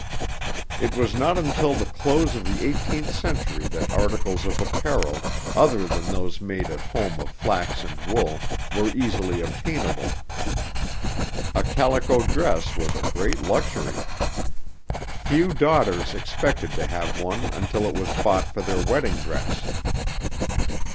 It was not until the close of the eighteenth century that articles of apparel, other than those made at home of flax and wool, were easily obtainable. A calico dress was a great luxury. Few daughters expected to have one until it was bought for their wedding dress.